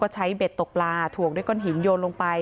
ใช้เบ็ดตกปลาถ่วงด้วยก้อนหินโยนลงไป